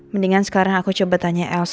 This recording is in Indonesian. mendingan sekarang aku coba tanya elsa soal jesse